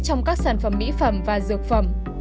trong các sản phẩm mỹ phẩm và dược phẩm